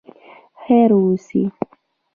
خیر اوسې.